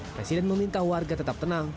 presiden meminta warga tetap tenang